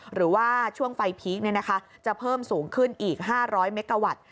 หรือว่าช่วงไฟพีคจะเพิ่มสูงขึ้นอีก๕๐๐เมกาวัตต์